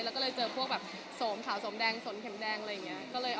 อะไรว่าแบบโสมขาวโสมแดงโสนเข็มแดงอะไรอย่างนี้